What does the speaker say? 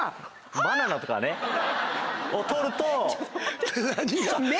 バナナとかね。を取ると。